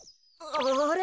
あれ？